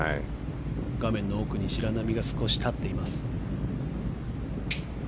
画面奥に白波が少し立っています。